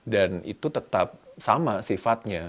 dan itu tetap sama sifatnya